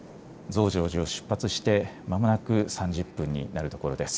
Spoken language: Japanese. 増上寺を出発してまもなく３０分になるところです。